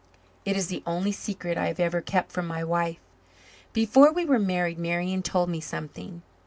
It is the only secret I have ever kept from my wife. Before we were married Marian told me something.